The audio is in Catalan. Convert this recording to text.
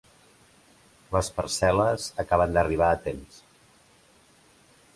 Les parcel·les acaben d'arribar a temps.